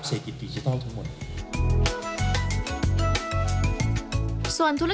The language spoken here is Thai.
กระแสรักสุขภาพและการก้าวขัด